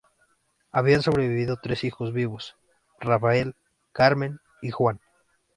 Habían sobrevivido tres hijos vivos: Rafael, Carmen y Juan.